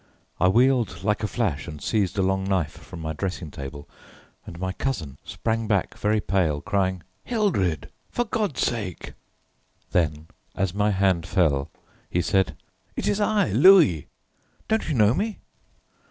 I wheeled like a flash and seized a long knife from my dressing table, and my cousin sprang back very pale, crying: "Hildred! for God's sake!" then as my hand fell, he said: "It is I, Louis, don't you know me?"